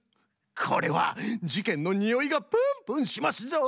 これはじけんのにおいがプンプンしますぞ！